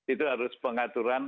itu harus pengaturan